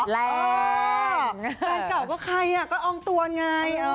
แฟนเก่าก็ใครก็อองตวนไง